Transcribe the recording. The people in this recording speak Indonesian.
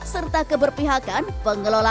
serta keberpengaruhannya dan keberpengaruhannya